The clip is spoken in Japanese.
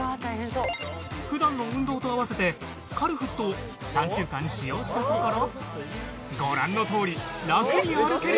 普段の運動とあわせてカルフットを３週間使用したところご覧のとおり楽に歩けるように